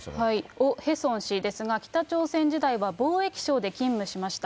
オ・ヘソン氏ですが、北朝鮮時代は、貿易省で勤務しました。